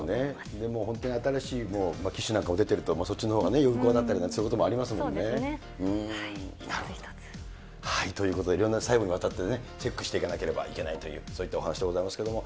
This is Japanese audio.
本当に新しい機種なんかも出ていると、そっちの方が有効だったりもしますからね。ということでいろいろ細部にわたってチェックしていかなければいけないという、そういったお話でございますけれども。